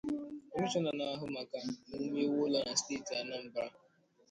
Kọmishọna na-ahụ maka ewumeewu ụlọ na steeti Anamba